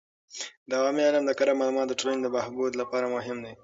د عوامي علم د کره معلوماتو د ټولنې د بهبود لپاره مهم دی.